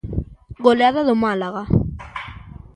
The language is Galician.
Goleada do Málaga.